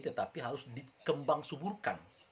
tetapi harus dikembang suburkan